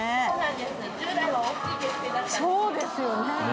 そうですよね。